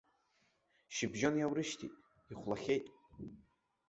Шьыбжьон иаурышьҭит, ихәлахьеит.